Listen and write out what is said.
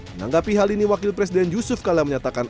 menanggapi hal ini wakil presiden yusuf kala menyatakan